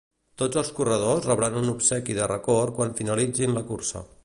Tots els corredors rebran un obsequi de record quan finalitzin la cursa.